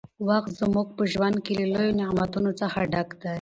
وخت زموږ په ژوند کې له لويو نعمتونو څخه دى.